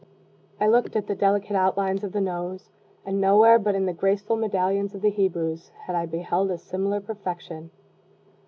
I looked at the delicate outlines of the nose and nowhere but in the graceful medallions of the Hebrews had I beheld a similar perfection.